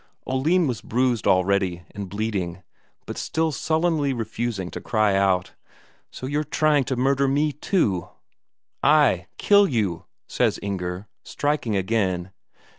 Oline was bruised already, and bleeding, but still sullenly refusing to cry out. "So you're trying to murder me too!" "Ay, kill you," says Inger, striking again.